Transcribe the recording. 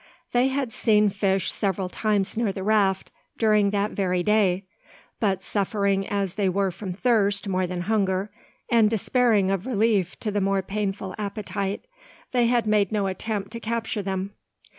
They had seen fish several times near the raft, during that very day; but suffering as they were from thirst more than hunger, and despairing of relief to the more painful appetite, they had made no attempt to capture them.